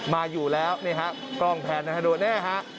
มาอยู่แล้วนี่ฮะกล้องแพนนะฮะดูแน่ฮะ